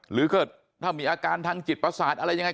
หรือก็ถ้ามีอาการทางจิตประสาทอะไรยังไง